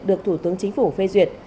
được thủ tướng chính phủ phê duyệt